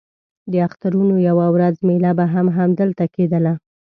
د اخترونو یوه ورځ مېله به هم همدلته کېدله.